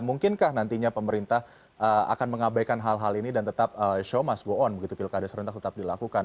mungkinkah nantinya pemerintah akan mengabaikan hal hal ini dan tetap show mas go on begitu pilkada serentak tetap dilakukan